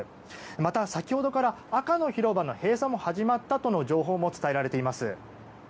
また、先ほどから赤の広場の閉鎖が始まったとの情報も伝えられています。